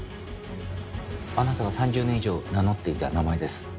あなたが３０年以上名乗っていた名前です。